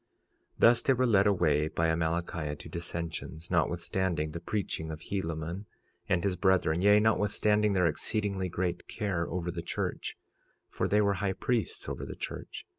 46:6 Thus they were led away by Amalickiah to dissensions, notwithstanding the preaching of Helaman and his brethren, yea, notwithstanding their exceedingly great care over the church, for they were high priests over the church.